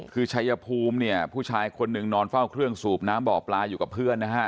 คือชัยภูมิเนี่ยผู้ชายคนหนึ่งนอนเฝ้าเครื่องสูบน้ำบ่อปลาอยู่กับเพื่อนนะฮะ